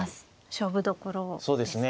勝負どころですね。